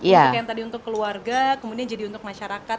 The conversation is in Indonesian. untuk yang tadi untuk keluarga kemudian jadi untuk masyarakat